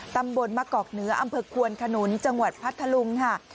ตำบลมะกอกเหนืออำเภอควนขนุนจังหวัดพัทธลุงค่ะ